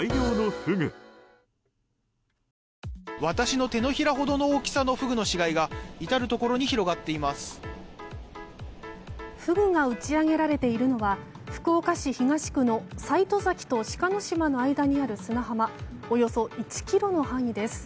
フグが打ち揚げられているのは福岡市東区の西戸崎と志賀島の間にある砂浜およそ１ｋｍの範囲です。